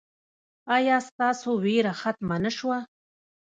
ایا ستاسو ویره ختمه نه شوه؟